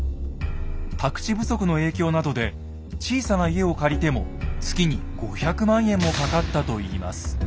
宅地不足の影響などで小さな家を借りても月に５００万円もかかったといいます。